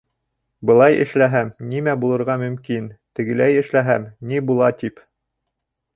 Былай эшләһәм, нимә булырға мөмкин, тегеләй эшләһәм, ни була, тип.